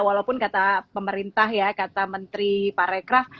walaupun kata pemerintah ya kata menteri pak rekrah